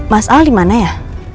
mas al dimana ya